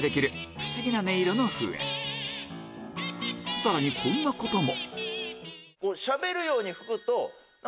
さらにこんなことも！